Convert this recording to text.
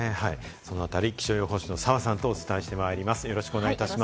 そのあたり気象予報士の澤さんとお伝えしてまいります。